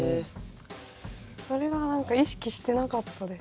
それは意識してなかったです。